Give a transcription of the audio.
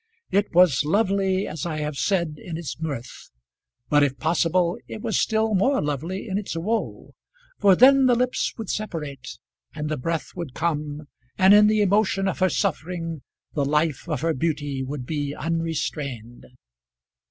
It was lovely as I have said in its mirth, but if possible it was still more lovely in its woe; for then the lips would separate, and the breath would come, and in the emotion of her suffering the life of her beauty would be unrestrained.